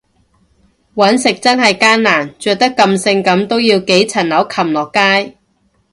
搵食真係艱難，着得咁性感都要幾層樓擒落街